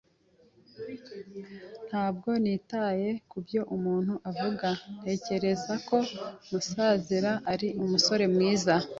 Ntabwo nitaye kubyo umuntu avuga. Ntekereza ko Musasira ari umusore mwiza.